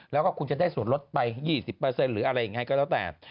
แล้วก็คุณจะได้ส่วนลดไป๒๐หรืออะไรยังไงก็แล้วแต่